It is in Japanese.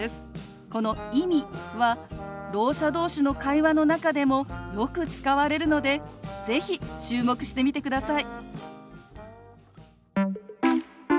この「意味」はろう者同士の会話の中でもよく使われるので是非注目してみてください。